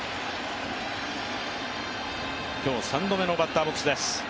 今日、３度目のバッターボックスです。